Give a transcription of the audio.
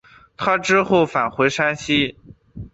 他之后返回山西。